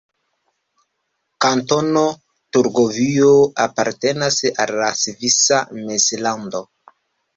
Kantono Turgovio apartenas al la Svisa Mezlando.